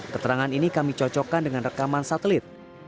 keterangan ini kami cocokkan dengan rekaman satelit